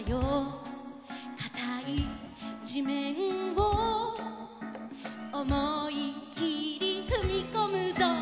「かたいじめんをおもいきりふみこむぞ」